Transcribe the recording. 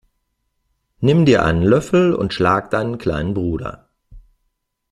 Nimm dir einen Löffel und schlag deinen kleinen Bruder!